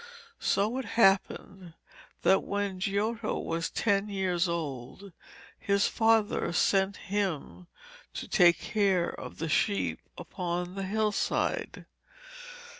So it happened that when Giotto was ten years old his father sent him to take care of the sheep upon the hillside.